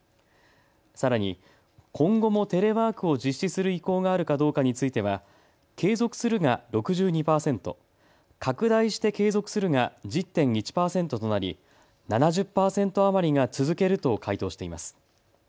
さらに今後もテレワークを実施する意向があるかどうかについては継続するが６２％、拡大して継続するが１０．１％となり７０％余りが続けると回答しています。